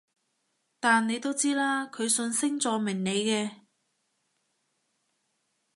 但你都知啦，佢信星座命理嘅